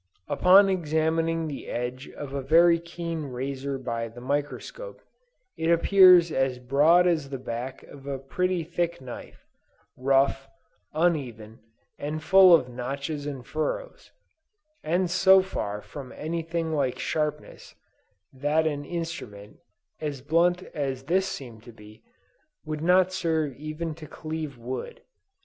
"Upon examining the edge of a very keen razor by the microscope, it appears as broad as the back of a pretty thick knife, rough, uneven, and full of notches and furrows, and so far from anything like sharpness, that an instrument, as blunt as this seemed to be, would not serve even to cleave wood.